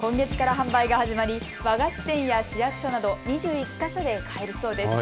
今月から販売が始まり和菓子店や市役所など２１か所で買えるそうです。